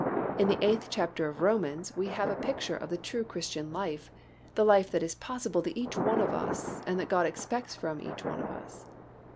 In the eighth chapter of Romans we have a picture of the true Christian life, the life that is possible to each one of us and that God expects from each one of us.